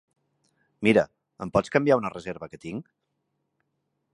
Mira, em pots canviar una reserva que tinc.